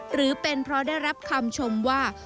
หรือเป็นเพราะได้รับคำชมว่า